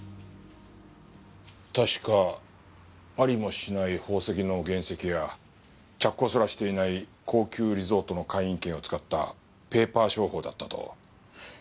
確かありもしない宝石の原石や着工すらしていない高級リゾートの会員権を使ったペーパー商法だったと。